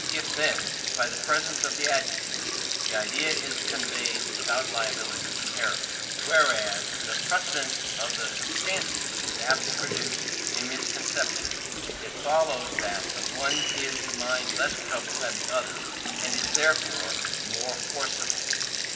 If, then, by the precedence of the adjective, the idea is conveyed without liability to error, whereas the precedence of the substantive is apt to produce a misconception, it follows that the one gives the mind less trouble than the other, and is therefore more forcible.